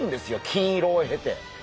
金色を経て。